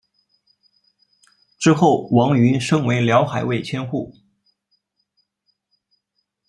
之后王瑜升为辽海卫千户。